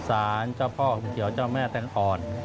สารเจ้าพ่อห่มเขียวเจ้าแม่แตงอ่อน